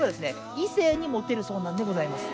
異性にモテるそうなんでございます。